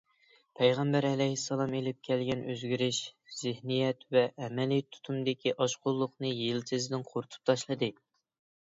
پەيغەمبەر ئەلەيھىسسالام ئېلىپ كەلگەن ئۆزگىرىش زېھنىيەت ۋە ئەمەلىي تۇتۇمدىكى ئاشقۇنلۇقنى يىلتىزىدىن قۇرۇتۇپ تاشلىدى.